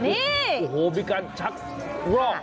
โอ้โหมีการชักรอก